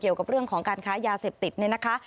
เกี่ยวกับเรื่องของการค้ายาเสพติดเนี่ยนะคะ